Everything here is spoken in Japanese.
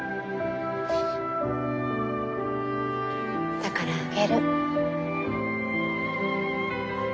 だからあげる。